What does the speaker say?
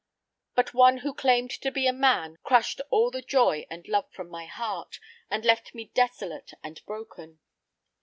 But one who claimed to be a man crushed all the joy and love from my heart, and left me desolate and broken.